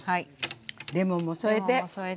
レモンも添えて。